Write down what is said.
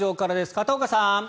片岡さん。